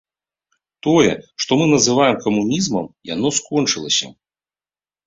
Тое, што мы называем камунізмам, яно скончылася.